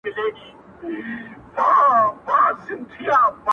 راځه، او زړونه راوړه تر نیلامه، محبته!!